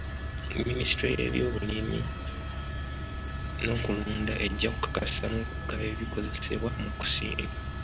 Minisitule y'ebyobulimirunda ejja kukakasa n'okugaba ebikozesebwa mu kusimba.